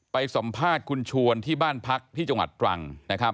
ไปสัมภาษณ์คุณชวนที่บ้านพักที่จังหวัดตรังนะครับ